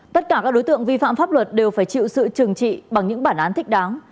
tất cả các đối tượng vi phạm pháp luật đều phải chịu sự trừng trị bằng những bản án thích đáng